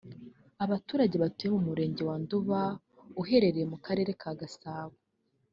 Abaturage batuye mu murenge wa Nduba uherereye mu karere ka Gasabo